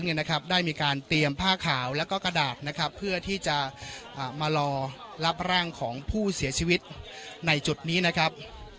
ได้มีการเตรียมผ้าขาวแล้วก็กระดาษนะครับเพื่อที่จะมารอรับร่างของผู้เสียชีวิตในจุดนี้นะครับ